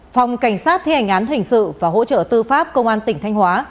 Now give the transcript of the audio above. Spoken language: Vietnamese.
phòng cảnh sát thi hành án hình sự và hỗ trợ tư pháp công an tỉnh thanh hóa